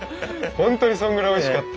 ホントにそんぐらいおいしかった。